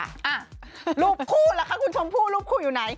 อ่ะรูปคู่ล่ะคะคุณชมพู่รูปคู่อยู่ไหน